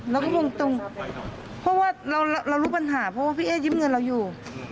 เราก็งงตรงเพราะว่าเรารู้ปัญหาเพราะว่าพี่เอ๊ยิ้มเงินเราอยู่